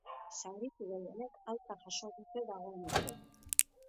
Zauritu gehienek alta jaso dute dagoeneko.